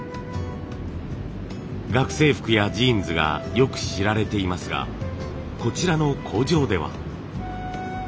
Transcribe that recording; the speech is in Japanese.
学生服やジーンズがよく知られていますがこちらの工場では。